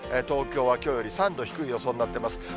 東京はきょうより３度低い予想になってます。